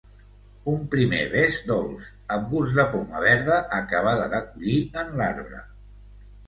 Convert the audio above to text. Un primer bes dolç, amb gust de poma verda acabada de collir en l'arbre.